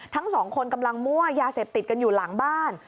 ทั้งสองคนกำลังมั่วยาเสพติดกันอยู่หลังบ้าน